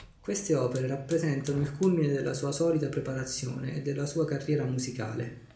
Queste opere rappresentarono il culmine della sua solida preparazione e della sua carriera musicale.